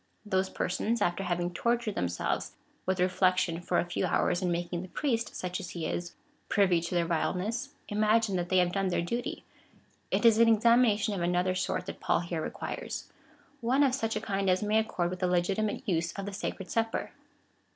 Those persons,^ after having tortured them selves with reflection for a few hours, and making the priest — such as he is — privy to their vileness,3 imagine that they have done their duty. It is an examination of another sort that Paul here requires — one of such a kind as may accord with the legitimate use of the sacred Supper.